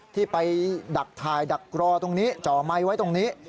ที่ไปดักถ่ายดักรอตรงนี้จ่อไมค์ไว้ตรงนี้